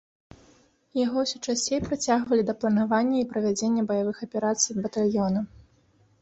Яго ўсё часцей прыцягвалі да планавання і правядзенні баявых аперацый батальёна.